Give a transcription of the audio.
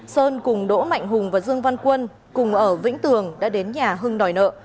sơn cùng đỗ mạnh hùng và dương văn quân cùng ở vĩnh tường đã đến nhà hưng đòi nợ